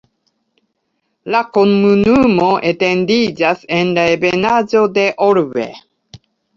La komunumo etendiĝas en la ebenaĵo de Orbe.